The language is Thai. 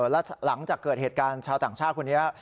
แล้วหลังจากเกิดเหตุการณ์ชาวต่างชาติคนนี้